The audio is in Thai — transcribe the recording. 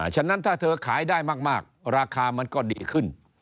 ฉะนั้นถ้าเธอขายได้มากราคามันก็ดีขึ้น